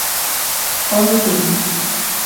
Olti.